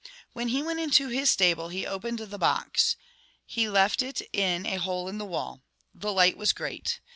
When he went into his stable he opened the box. 107 He left it in a hole in the wall. The light was great.